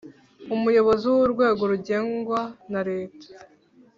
Umuyobozi w urwego rugengwa na Leta